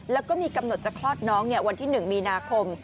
แล้วก็มีกำหนดจะคลอดน้องวันที่๑มีนาคม